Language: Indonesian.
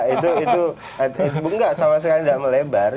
itu enggak sama sekali tidak melebar